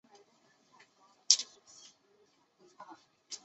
元世祖至元元年改为中都路大兴府。